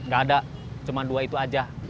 gak ada cuma dua itu aja